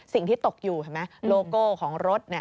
สิ่งที่ตกอยู่โลโก้ของรถ